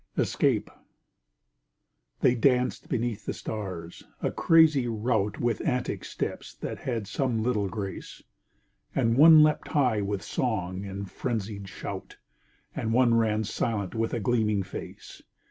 ESCAPE They danced beneath the stars, a crazy rout With antic steps that had some little grace; And one leapt high with song and frenzied shout, And one ran silent with a gleaming face.